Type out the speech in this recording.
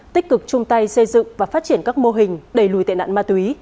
tích cực chung tay xây dựng và phát triển các mô hình đẩy lùi tệ nạn ma túy